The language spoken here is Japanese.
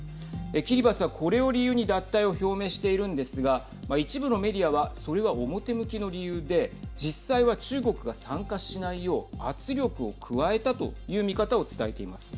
キリバスは、これを理由に脱退を表明しているんですが一部のメディアはそれは表向きの理由で実際は中国が参加しないよう圧力を加えたという見方を伝えています。